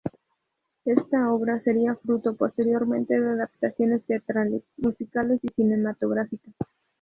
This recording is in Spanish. Esta obra sería fruto posteriormente de adaptaciones teatrales, musicales y cinematográfica.